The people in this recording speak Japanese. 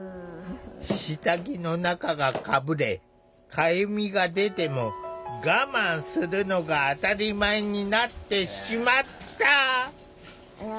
下着の中がかぶれかゆみが出ても我慢するのが当たり前になってしまった。